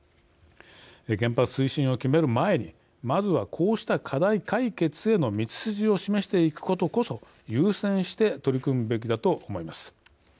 原発推進を決める前にまずはこうした課題解決への道筋を示していくことこそ優先して取り組むべきだと思います。